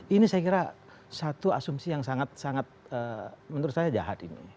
ini saya kira satu asumsi yang sangat sangat menurut saya jahat ini